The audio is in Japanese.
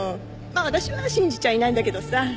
まあ私は信じちゃいないんだけどさ。